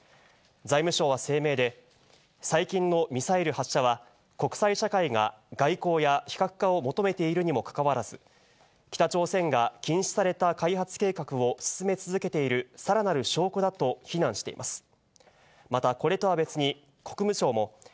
財務省は声明で、最近のミサイル発射は、国際社会が外交や非核化を求めているにもかかわらず、北朝鮮が禁止された開発計画を進め続けている、さらなる証拠だと非難しています。